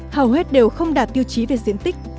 hầu hết đều không đạt tiêu chí về diện tích